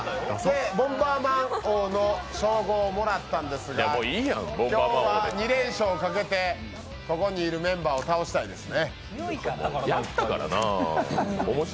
ボンバーマン王の称号をもらったんですが今日は２連勝かけてここにいるメンバーを倒したいですね。